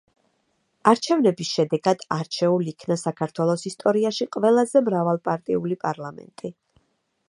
არჩევნების შედეგად არჩეულ იქნა საქართველოს ისტორიაში ყველაზე მრავალპარტიული პარლამენტი.